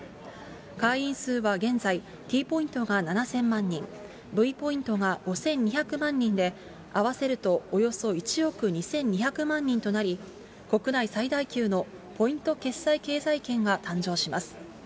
会員数は現在、Ｔポイントが７０００万人、Ｖポイントが５２００万人で、合わせるとおよそ１億２２００万人となり、国内最大級のポイント決済経済圏が誕生します。